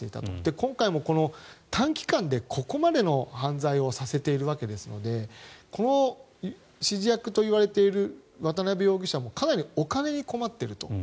今回もこの短期間でここまでの犯罪をさせているわけですのでこの指示役といわれている渡邉容疑者もかなりお金に困っていると。